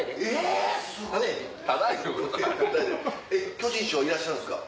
巨人師匠いらっしゃるんですか？